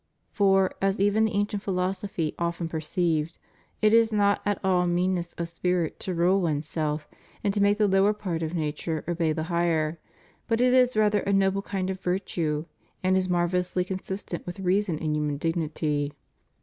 For, as even the ancient philosophy often perceived, it is not at all meanness of spirit to rule oneself and to make the lower part of nature obey the higher, but it is rather a noble kind of virtue and is mar vellously consistent with reason and human dignity.